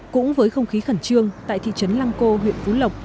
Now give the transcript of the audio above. cũng với không khí khẩn trương tại thị trấn lăng cô huyện phú lộc